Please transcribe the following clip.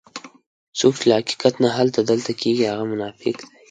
څوک چې له حقیقت نه هلته دلته کېږي هغه منافق دی.